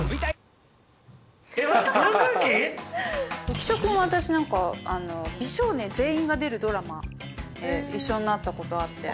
浮所君は私美少年全員が出るドラマで一緒になったことあって。